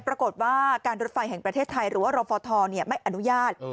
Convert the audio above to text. ปรากฏว่าการรถไฟแห่งประเทศไทยหรือว่ารฟทไม่อนุญาต